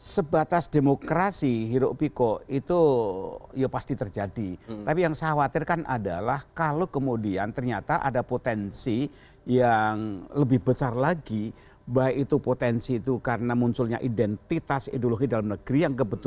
sebatas demokrasi hiruk pikuk itu ya pasti terjadi tapi yang saya khawatirkan adalah kalau kemudian ternyata ada potensi yang lebih besar lagi baik itu potensi itu karena munculnya identitas ideologi dalam negeri yang kebetulan